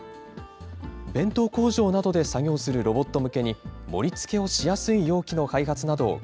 弁当工場などで作業するロボット向けに、盛りつけをしやすい容器